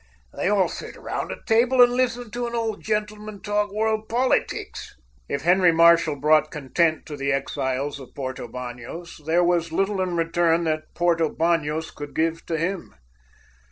They all sit round a table and listen to an old gentleman talk world politics." If Henry Marshall brought content to the exiles of Porto Banos, there was little in return that Porto Banos could give to him.